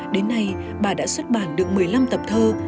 đến nay bà đã xuất bản được một mươi năm tập thơ